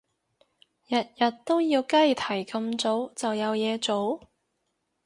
日日都要雞啼咁早就有嘢做？